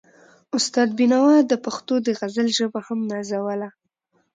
استاد بينوا د پښتو د غزل ژبه هم نازوله.